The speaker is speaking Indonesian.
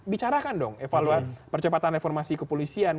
bicarakan dong evaluasi percepatan reformasi kepolisian